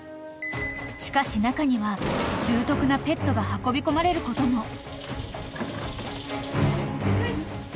［しかし中には重篤なペットが運び込まれることも］